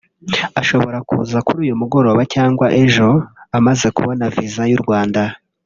ashobora kuza kuri uyu mugoroba cyangwa ejo amaze kubona visa y’u Rwanda